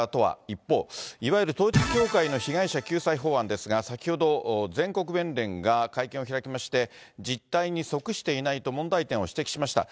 一方、いわゆる統一教会の被害者救済法案ですが、先ほど、全国弁連が会見を開きまして、実態に即していないと問題点を指摘しました。